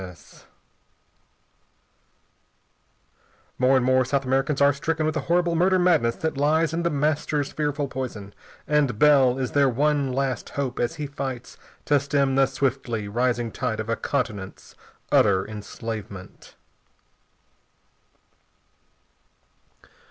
[Sidenote: More and more South Americans are stricken with the horrible "murder madness" that lies in The Master's fearful poison. And Bell is their one last hope as he fights to stem the swiftly rising tide of a continent's utter enslavement.